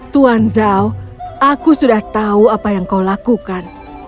tuan zhao aku sudah tahu apa yang kau lakukan